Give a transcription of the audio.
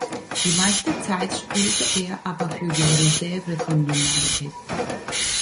Die meiste Zeit spielte er aber für die Reserve von United.